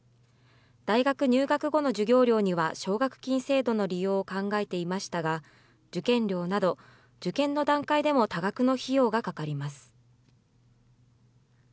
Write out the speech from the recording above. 大学入学後の授業料には、奨学金制度の利用を考えていましたが、受験料など受験の段階でも多額の費用がかかります。